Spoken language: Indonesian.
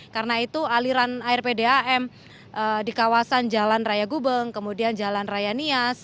karena itu aliran air pdam di kawasan jalan raya gubeng kemudian jalan raya nias